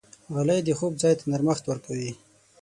غالۍ د خوب ځای ته نرمښت ورکوي.